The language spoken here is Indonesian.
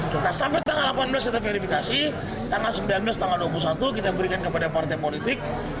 kita sampai tanggal delapan belas kita verifikasi tanggal sembilan belas tanggal dua puluh satu kita berikan kepada partai politik